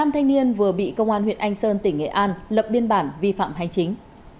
năm thanh niên vừa bị công an huyện anh sơn tỉnh nghệ an lập biên bản vi phạm hành chính